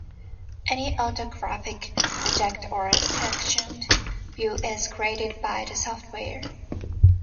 Any orthographic, projected or sectioned view is created by the software.